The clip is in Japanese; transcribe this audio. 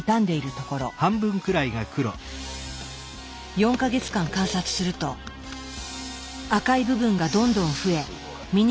４か月間観察すると赤い部分がどんどん増えミニ